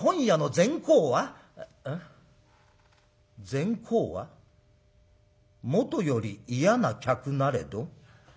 『善公はもとより嫌な客なれど』。